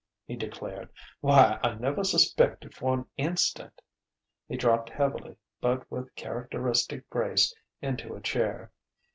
he declared. "Why, I never suspected for an instant!..." He dropped heavily but with characteristic grace into a chair.